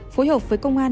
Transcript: phối hợp với công an